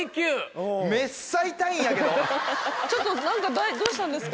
ちょっと何かどうしたんですか？